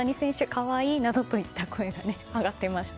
可愛いという声が上がっていました。